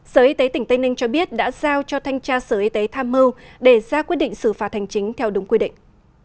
sở y tế tỉnh tây ninh cho biết đã giao cho thanh tra sở y tế tham mưu để ra quyết định xử phạt hành chính theo đúng quy định